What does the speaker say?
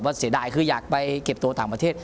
เสียดายคืออยากไปเก็บตัวต่างประเทศ